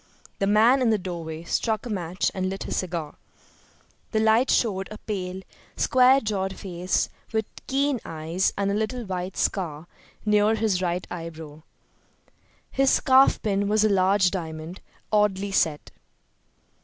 The man in the doorway struck a match and lit his cigar. The light showed a pale, square jawed face with keen eyes, and a little white scar near his right eyebrow. His scarfpin was a large diamond, oddly set.